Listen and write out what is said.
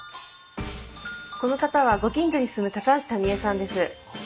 この方はご近所に住む橋タミ江さんです。